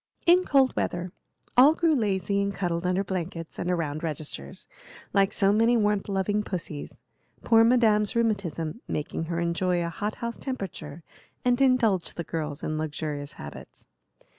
In cold weather all grew lazy and cuddled under blankets and around registers, like so many warmth loving pussies, poor Madame's rheumatism making her enjoy a hot house temperature and indulge the girls in luxurious habits.